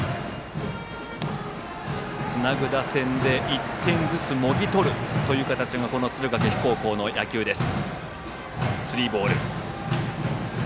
つなぐ打線で１点ずつもぎ取る形がこの敦賀気比高校の野球です。